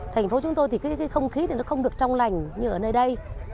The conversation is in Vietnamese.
thành phố chúng tôi thì không khí không được trong lành như ở nơi đây